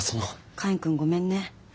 カインくんごめんね。